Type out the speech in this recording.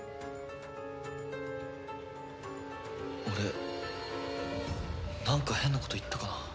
俺なんか変なこと言ったかな？